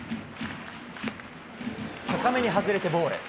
高めに外れてボール。